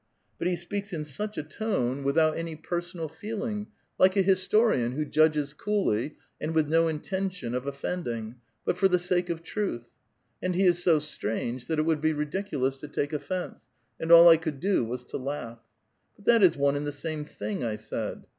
But he speaks in such a tone, without 284' A VITAL QUESTION. any personal feeling, like a historian, who judges coolly, and wilh no intention of ott'euding, but for the sake of tiiith ; and he is so strange, that it would be ridiculous to take otfeuce, and all 1 could do was to laugh. ^^ But that is one and the same thing," I said.